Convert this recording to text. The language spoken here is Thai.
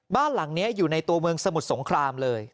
บ้านหลังนี้อยู่ในตัวเมืองสมุทรสงครามเลย